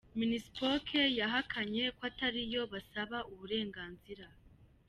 Minispoc yahakanye ko atariyo basaba uburenganzira.